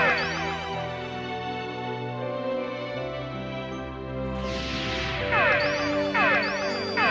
jadi sama dengan orang lain